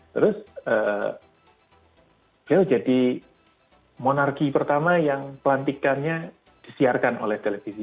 terus dia jadi monarki pertama yang pelantikannya disiarkan oleh televisi